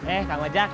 eh kang wajah